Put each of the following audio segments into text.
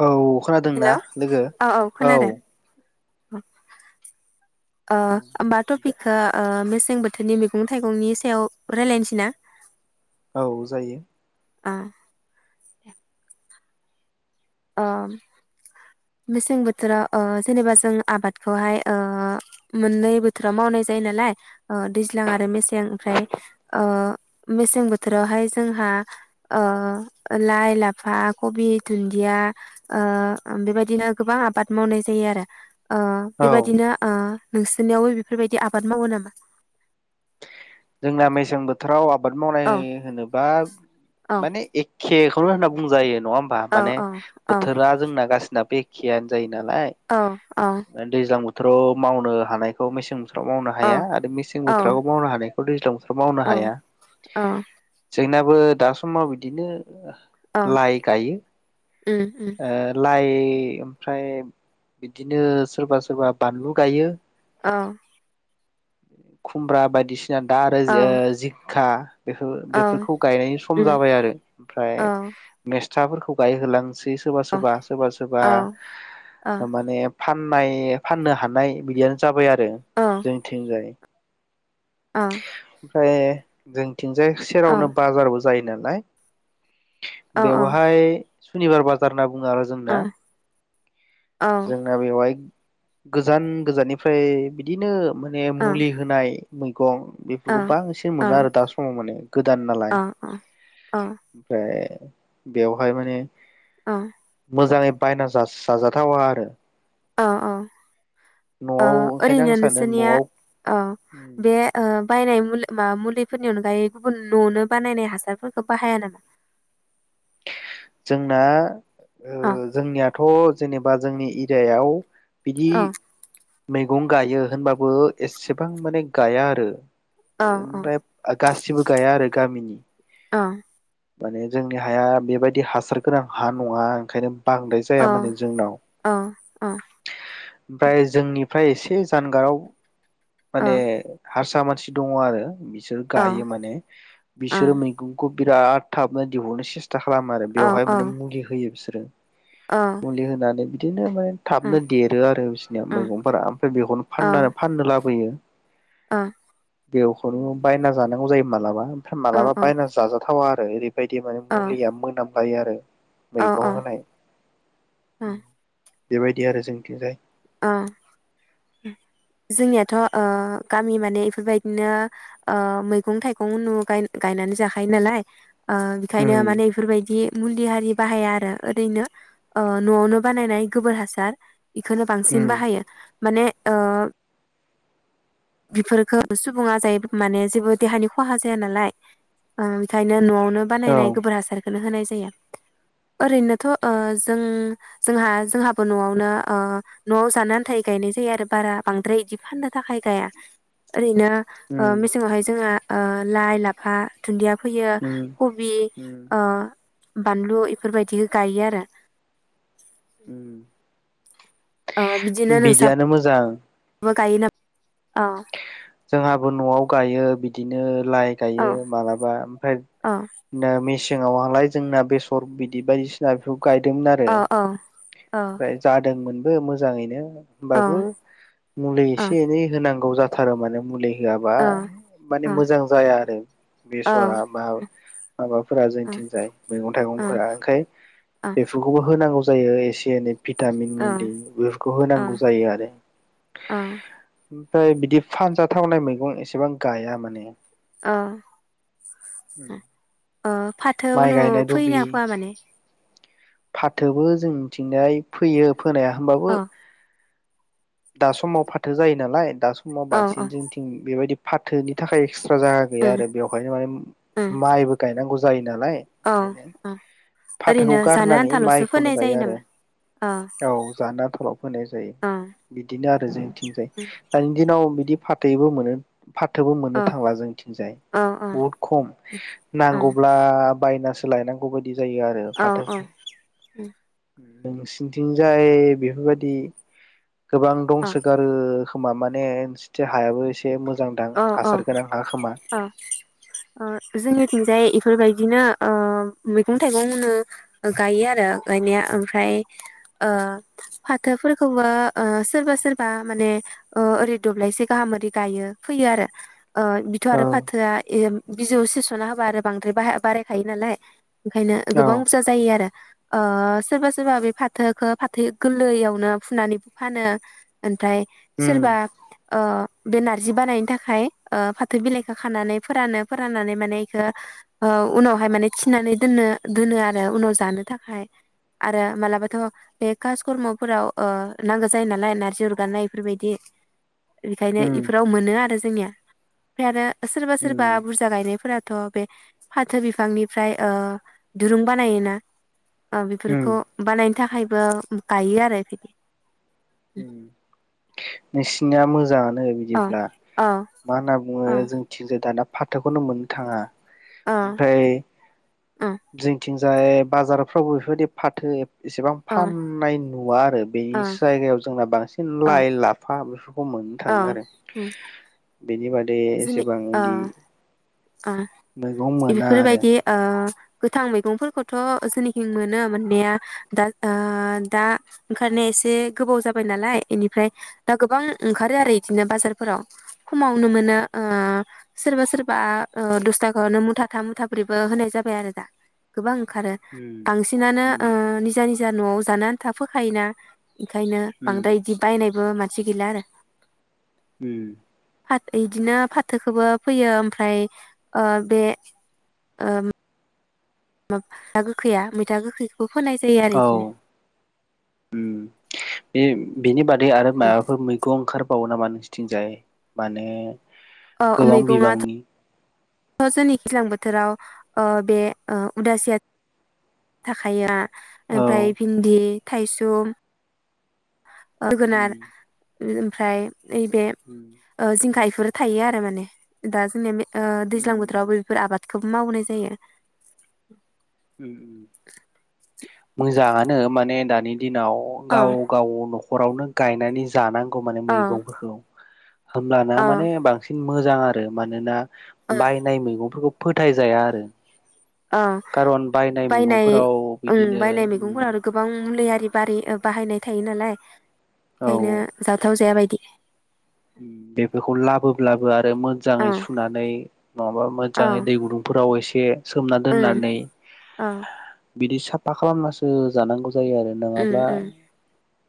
औ हेल' खोनादोंना औ लोगो औ ओ ओ ओमबा टपिकखो ओ मे से जों बोथोरनि मैगं-थाइगंनि सायाव रायलायनोसै ना? औ जायो आ ओ मेसें बोथोराव ओ जेनेबा जों आबादखौहाय ओ मोननै बोथोराव मावनाय जायो नालाय दैज्लां आरो मेसें ओमफ्राय ओ मेसें बोथोरावहाय जोंहा ओ लाइ, लाफा, खबि, दुन दिया ओ बेबायदिनो गोबां आबाद मावनाय जायो आरो। ओ औ बेबायदिनो ओ नोंसोरनियावबो बेफोरबायदि आबाद मावो नामा? जोंना मेसें बोथोराव आ बाद मावनाय औ होनोबा औ माने एखे खौनो होनना बुंजायो। नङा होमबा औ माने औ औ बोथोरा जोंना गासिना बे खेयानो जायो नालाय। औ दैज्लां बो थोराव' मावनो हानायखौ मेसें बोथोराव मावनो औ हाया आरो मेसें बोथोराव मावनो हानाय खौ दैज्ला अ अ जोंनाबो दा समाव बिदिनो औ लाइ गायो उम उम ओ लाइ ओमफ्राय बिदिनो सोरबा सोरबा बानलु गायो। अ खुमब्रा बायदिसि दा आरो औ जो-जिंखा बेफोर बेफोरखौ गायनायनि सम उम जाबाय आरो ओमफ्राय औ औ थाफोरखौ गायहो होलाङो। सै सोरबा सोरबा सोरबा सोरबा औ माने फाननाय फाननो हानाय बिदियानो जाबाय आरो। रो जोंनिथिंजाय। [inaudible] ओमफ्राय जों थिंजाय औ सेरावनो बाजारबो जायो नालाय बेवहाय सनिबार बाजार नाव बुङो आरो जोंना। जोंना बेवहाय गोजान गोजाननिफ्राय बिदिनो माने औ मुलि औ होनाय बै गं बेफोरखौ बांसिन मोनो आरो दा समाव माने गोदान नालाय ओमफ्राय बेवहाय माने ओ मोजाङै बायना जा-जाजाथावा [inaudible] अ अ औ ओंखायनो आं ओरैनो सानो नोंसोरनिया न'आव ओ बे ओ बायनाय मुुलि मा मुलिफोरनि अनगायै गुबुन न'आवनो बानायनाय हासारफोरखौ बाहाया नामा? जोंना ओ औ जोंनियाथ' जेनेबा जोंनि एरियायाव बिदि औ मैगं गायो होनबाबो एसेबां माने गाया आरो। औ औ ओमफ्राय गासिबो गाया आरो गामिनि ओ माने जोंनि हाया बेबायदि हासार गोनां हा नङा ओंखायनो बांद्राय औ जाया माने जोंनाव औ ओमफ्राय जोंनिफ्राय एसे जानगाराव माने हारसा मा सि दङ आरो बि सोर गायो माने बिसोरो मैगंखौ बिराद थाबनो दिहुननो सेस था खालामो आरो औ बेवहाय औ माने मुलि होयो बिसोर ओ मुलि होनानै बिदिनो मा थाबनो देरो आरो बिसनिया मैगंफोरा ओमफ्राय बेखौनो फानना-फाननो लाबोयो। ओ बेवखौनो बायना जानांगौ जायो मालाबा। मालाबा बायना जाजाथावा आरो। ओरै बायदि माने मुलिया मोनाम गायो आरो। मैगं होनाय बेबायदि आरो जोंनिथिंजाय। अ जोंनियाथ' ओ गामि माने इफोरबायदिनो ओ मैगं थाइगं उनु गाय गायनानै जाखायो नालाय। ओ बिखायनो उम माने इफोरबायदि मुलि हारि बाहाया आरो ओरैनो ओ न'आवनो बानायनाय गोबोर हासार इखोनो बांसिन उम बाहायो। माने ओ बिफोरखो सुबुङा जायोबा माने जेबो देहानि खहा जाया नालाय ओ बिखायनो न'आव नों औ बानायनाय गोबोर हासार। नो होनाय जायो ओरैनोथ' ओ जों जोंहा जोंहाबो न'आवनो ओ न'आव जानो आन्थायै गायनाय जायो आरो बारा बांद्राय इदि फाननो थाखाय गाया ओरैनो उम ओ मेसेंङावहाय जोङो ओ ाइ लाफा दुन्दिया फोयो उम कबि उम ओ बानलु इफोरबायदि गायो आरो उम ओ बिदिनो बिदियानो मोजां नोंसाब बो गायो नाम औ जोंङाबो न'आव गायो बिदिनो । लाइ औ गायो मालाबा ओमफ्राय औ नो मेसे मेसेंङावआलाय जोंना बेसर बिदि बायदिसिना बेफ गायदोंमोन आरो औ औ औ फ्राय जादोंमोन। बो मोजाङैनो औ होनबाबो मुलि औ इसे इनै होनांग गौ जाथ थारमाने मुलै होआबा औ माने औ मोजां जाया आरो बेसरा बा माबाफोरा जोंथिं जाय मैगं थाइगंफोरा ओंखाय बेफोरखौबो होनांगौ जायो एसे एनै भिटामिन मुलि बेफोरखौ होनांगौ जायो आरो औ ओमफाय बिदिब फानजाथावनाय मैगं एसेबां गाया माने अ अ फाथो माइ उनु गायनाय फोयोना दुब्लि फोआ माने? फाथोबो जोंनिथिंजाय फोयो। फोनाया होमबाबो औ दा समाव फाथो जायो नालाय दा समाव औ औ बांसिन जोंथिं बेबायदि फाथोनि थाखाय एकस जागा गैया उम आरो बेवहायनो माइम उम माइबो गायनांगौज औ अ फाथोखौ ओरैनो। जानो गारनानै आन्थाल'सो माइखौनो फोनाय जायो गायो आरो नामा औ औ जानो आनथाल फोनाय जायो औ बिदि। बेनो आरो जों थिंजाय दानि दिनाव बिदि फाथैबो मोनो। फाथोबो मोननो औ थांला जोंथिंजाय औ बहुद खम औ नांगौब्ला बायनासो लायनांगौ बायदि जायो आरो औ औ उम उम नोंसिनथिंजाय बेफोरबायदि गोबां दंसोगारो खोमा माने नोंसिनथि हायाबो एसे मोजांदां अ अ हासार गोनां हा खोमा अ अ जोंनिथिंजाय बेफोरबायदिनो ओ मैगं थाइगंनो गायो आरो गायनाया ओमफ्राय ओ फाथोफोरखौबो ओ सोरबा सोरबा माने ओ ओरै दब्लायसे गाहाम ओरै गायो। फैयो आरो ओ बिथ औ आरो फाथोआ एम बिजौ सिसना होबा आरो बांद्राय बाहा बारायखायो नालाय ओंखायनो औ गोबां बुरजा जायो आरो ओ सोरबा सोरबा बे फाथोखौ फाथो गोरलैयावनो फुनानैबो फानो ओमफ्राय उम सोरबा ओ बे नाद नारजि बानायनो थाखाय ओ फाथो बिलाइखौ खानानै फोरानो फोराननानै माने एखौ ओ उनावहाय माने थिनानै दोननो दोनो आरो उनाव जानो थाखाय आरो मालाबाथ बे कासकर्मफोराव ओ नांगौ जायो नालाय नारजि अरगानाय एफोरबायदि ओंखायनो उम [unintelligible] मोनो आरो जोंनिया ओमफ्राय आरो सोरबा उम सोरबा बुरजा गायनायफोराथ बे फाथो बिफांनिफ्राय ओ दुरुं बानायोना ओ उम बेफोरखौ बानायनो थाखायबो गायो आरो बिदि उम नोंसिनिया मोजाङानो ओ बिदिब्ला अ मा होनना बुङो अ जों थिंजाय दाना फाथोखौनो मोननो थाङा अ [inaudible] ओमफाय अ जोंथिं थिंजाय बाजारफ्रावबो बेफोरबायदि फाथो एफ इसेबां अ फाननाय नुवा आरो बे अ जायगायाव जोंना बांसिन [unintelligible] अ लाय लाफ [unintelligible] खम मोननो अ थाङो आरो बेनि बाद बे एसेबां इदि ओ बेफोरबायदि ओ गोथां मैगंफोरखौथ' जोंनिखिं मोनो मोननाया दा दा ओंखारनाया एसे गोबाव जाबाय नालाय एनिफ्राय दा गोबां ओंखारो आरो बिदिनो बाजारफोराव खमावनो मोनोओ सोरबा सोरबा ओ दसथाखोनो मुथाथाम मुथाब्रैबो होनाय जाबाय आरो दा गोबां ओंखारो उम बांसिनानो उम ओ निजा निजा न'आव जानो थाफोखायोना ओंखायनो उम बांद्राय इदि बायनायबो मा सि गैला आरो हम फाद इदिनो फाथोखौबो फैयो ओमफ्राय ओ बे ओ माब म मैथा गोखै मैथा गोखै खौ फोनाय जायो आरो औ एदिनो बे बिनि बाद दै आरो माबाफोर मैगं ओंखार बावो नामा नोंसिथिंजाय माने अ गोबां मैगङाथ' बिबांनि जोंनि दैज्लां बोथोराव ओ बे ओ उदासिया थाखाया औ औमफ्राय भिन्दि थाइसुम ओ जोगोनार उम ओमफ्राय नैबे उम ओ जिंखा इफोर थायो आरो माने दा जोंनिया ओ दैज्लां उम बोथोरावबो बेफोर आबाद खौबो मावनाय जायो उम उम मोजाङानो माने दानि दिनाव औ गाव गाव न'ख नखरावनो गायनानै जानां गौ माने औ मैगंफोरखौ होमब्लाना औ माने बांसिन मोजां आरो मानोना औ बायनाय मैगंफोरखौ फोथायजाया आरो ओ खारन बायनाय मैगंफोराव ओम बिदिनो बायनाय उम मैगंफोरा आरो गोबां मलुलि बिबारि ओ बाहायनाय थायो नालाय बेखायनो जाथाव जाया बाय [unintelligible] उम बेफोरखौ लाबोब्लाबो रो औ मोजांङै सुनानै नंङाबा औ मोजानङै दै गुदुंफोराव एसे सोमना ओं दोननानै औ बिदि साफा खालामनासो जानांगौ जायो आरो उम नंङाब्ला उम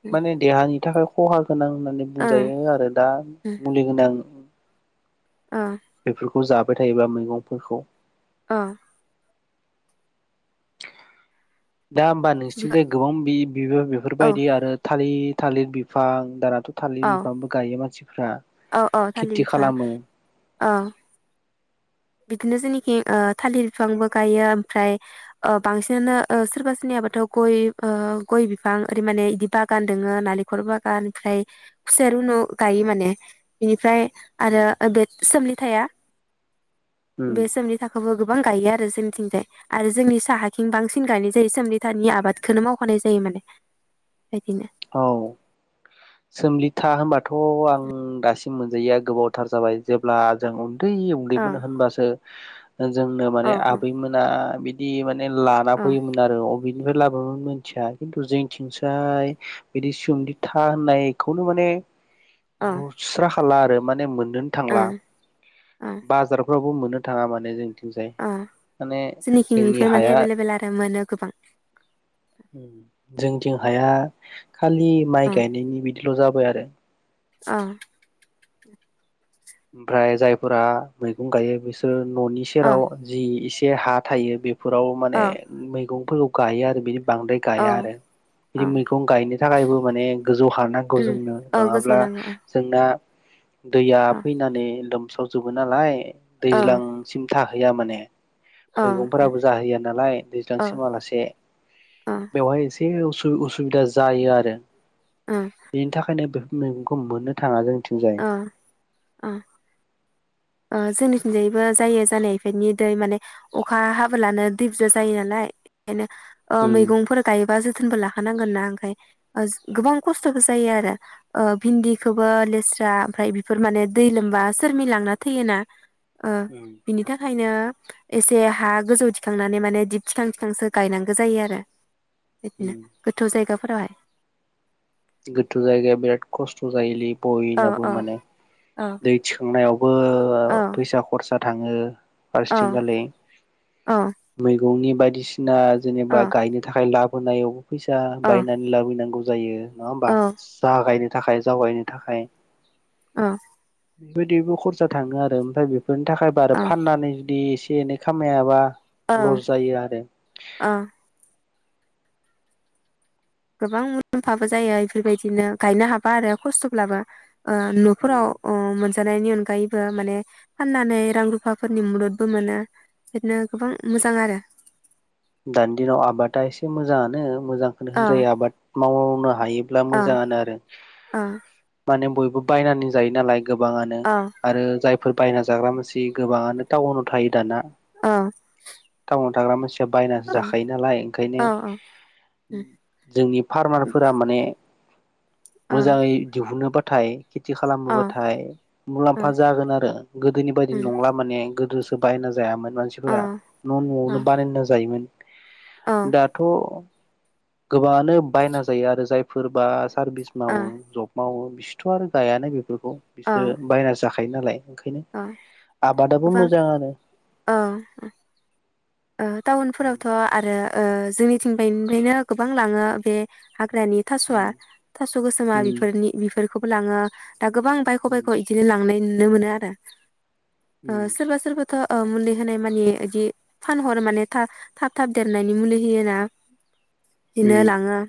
ओ माने देहानि थाखाय खहा गोनां होननानै बुंजायो आरो । बा मुलि होना औ । ओ । खौ जाबाय थायोबा मैगंफोरखौ अ । दा होमबा नोंसिनिथिजाय गोबां बि बिबो बेफोरबायदि आरो था थालिर थालिर बिफां दारा औ थालिर बिफांबो गायो मानसिफ्रा । औ औ थालिर बिफां । अ । बिदिनो जेननाखिं ओ थालिर बिफांबो गायो ओमफ्राय ओ बांसिनानो सोरबा सोरनियाबाथ' गय ओ गय बिफां ओरै माने बिदि बागान दोंङो नालेंखल बागान ओमफ्राय खुसेर रुनु गायो माने बिनिफ्राय उम आरो बे सोमलि थाया? बे समनि थाखोबो गोबां गायो आरो जोंनिथिंजाय आरो जोंनि साहाथिं बांसिन गायनाय जायो सोमलि थानि आबादखौनो मावखानाय जायो माने । औ। सोमलि था होनबाथ आं दासिम मोनजायया गोबावथार जाबाय जेब्ला जों उन दै अ उन्दैमोन होनबासो जोंनो माने अ अ आबैमोना बि इबा नै लाना अ फैयोमोन आरो अ बिनिफ्राय लाबाबाबो मिथिया खिन्थु जोंथिंजाय बिदि सोमलि था होननायखौनो माने नुस्रा खालार माने मोन नोन अ ओ थांला ओ बाजारफ्राव खौ मोननो थाङा माने जों ओ जोंनिखिं इफोर माने हाया एभेलेबेल आरो मोनो गोबां। जोंथिं हाया खालि माइ अ गायनायनि बिदिल जाबाय आ [unintelligible] अ। ओमफ्राय जायफोरा मैगं गायो बिसोर ननि अ सेराव जि इस से हा थायो बे फोराव माने अ मैगं फोरखौ गायो आरो बिदिब बांद्राय अ गाया आरो बिदि अ मैगं गायनो थाखायबो माने गोजौ हा नांगौ उम जोंनो औ गोजौ नङाब्ला नांगौ अ जोंना दैैया अ फैनानै लोम सावजोबो नालाय अ दैज्लां सिमथा हैया माने अ मैगंफोराबो जाहैया नालाय अ दैज्लांसिम आलासे अ बेवहाय एस से उसु-उसुबिदा जायो आरो। अ बेनि थाखायनो बेफ मैगंखौ मोननो थांङा जों थिंजाय। अ। ओ जोंनिथिंजायबो जायो जानाय इफेटनि दै माने अखा हाब्लानो दै बुजा जायो नालाय [inaudible] खायनो। ओ उम मैगंफोर गायोबा जोथोनबोला फानांगोना ओंखाय ओज गोबां खस्थबो जायो आरो ओ बिन्दिखौबो लेसरा ओमफाय बिफोर माने दै लोमबा सोरमि लांना थैयोना ओ उम बिनि थाखायनो एसे हा गोजौ थिखांनानै माने दिब थिखां थिखांसो गायनांगौ जायो आरो। बिदिनो उम गोथौ जायगा फोरावहाय। गोथु जायगाया बिराद खस्थ' जायोलि औ बयनाबो औ माने औ दै थिखांनायाव बो औ फैसा खरसा थांङो औ आरसिंगालि औ मै गंनि बायदिसि ना औ जेनेबा गायनो थाखाय लाब होननायाव फैसा औ बायनानै लाबोनांगौ जायो नङा होमबा जाहगायनो थाखाय जावायनो थाखाय औ बेबायदिबो खरसा थाङो आरो ओमफाय बे फोरनि थाखाय बा आरो औ फाननानै जुदि एसे एनै खामायाबा औ लस जायो आरो औ गोबां मुलाम्फाबो जायो बेफोरबायदिनो गायनो हाबा आरो खस्थब्लाबो ओ न'फोराव ओ मोनसे जानायनि अनगायैबो माने फाननानै रां रुफाफोरनि मुददबो मोनो बिदिनो गोबां मोजां आरो जानो मोजांखोनो औ होनजायो आबाद मावनो हायोब्ला औ मोजाङानो आरो औ माने बो बायनानै जायो नालाय गोबाङानो औ आरो जाय फोर बायना जाग्रा मानसि गोबाङानो टाउनाव थायो दाना औ वन थाग्रा मानसि बायनासो जाखायो नालाय ओंखायनो औ जोंनि फार्मारफोरा माने मोजाङै दिहुनो बा थाय खेथि औ खालामबोबाथाय औ मुलाम्फा जागोन आरो गोदोनि औ बायदि नंला माने गोदोसो बायना जायामोन मानसिफोरा औ न'न'वावनो बानायनो जायोमोन औ दाथ' गोबाङानो बायना जायो आरो जायफोरबा सारभिस औ मावो जब मावो बिसोरथ' आरो जायानो जेबो बिसोर बायनासो जाखायो नालाय ओंखायनो औ आबादाबो गोबां मोजाङानो। औ ओ टाउन फोरावथ' आरो ओ जोंनिथिं बाय निफ्रायनो गोबां लाङो बे हाग्रानि थास'आ उम थास' गोसोमा उम बेफोरनि बेफोर खौबो लाङो। दा गोबां बायख' बायख' इदिनो लांनाय नु नुनो मोनो आरो। ओ उम सोरबा सोरबा थ'ओ मुलि होनाय मानि इदि फानहर माने था-थाब थाब देरनायनि मुलि होयोना। इदिनो उम लाङो।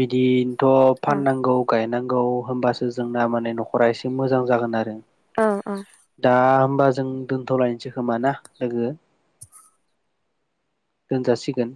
बिदि थ' औ फाननांगौ गायनां गौ होमबासो जोंना माने न'खरा एसे मोजां जागोन आरो। औ औ दा होमबा जों दोन्थ'लायनोसै खोमा ना लोगो दोनजासिगोन।